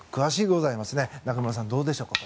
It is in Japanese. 中室さん、どうでしょうか？